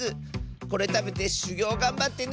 これたべてしゅぎょうがんばってねって！